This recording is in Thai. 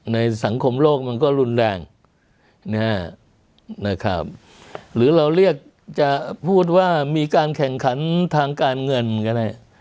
ในสังคมโลกมันก็รุนแรงนะครับหรือเราเรียกจะพูดว่ามีการแข่งขันทางการเงินก็ได้